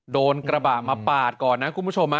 โดนกระบะมาปาดก่อนนะคุณผู้ชม